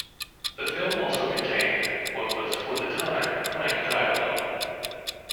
The film also contained what was, for the time, frank dialogue.